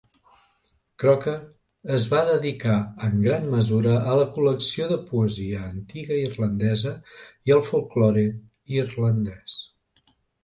Croker es va dedicar en gran mesura a la col·lecció de poesia antiga irlandesa i al folklore irlandès.